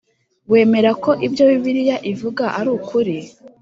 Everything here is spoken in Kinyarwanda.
wemera ko ibyo Bibiliya ivuga ari ukuri?